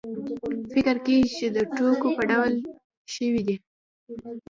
فکر کېږي چې د ټوکو په ډول شوې دي.